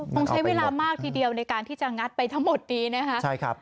คงใช้เวลามากทีเดียวในการที่จะงัดไปทั้งหมดนี้นะคะใช่ครับ